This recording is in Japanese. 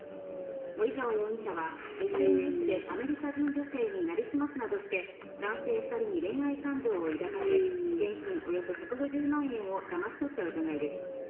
森川容疑者はＳＮＳでアメリカ人女性になりすますなどして男性２人に恋愛感情を抱かせ、現金およそ１５０万円をだまし取った疑いです。